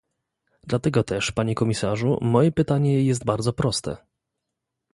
Dlatego też, panie komisarzu, moje pytanie jest bardzo proste